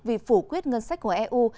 vì phủ quyết ngân sách của eu